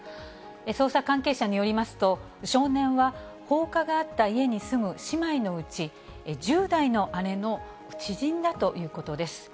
捜査関係者によりますと、少年は放火があった家に住む姉妹のうち、１０代の姉の知人だということです。